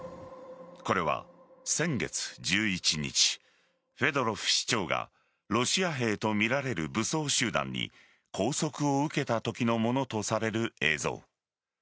これは先月１１日フェドロフ市長がロシア兵とみられる武装集団に拘束を受けたときのものとされる映像。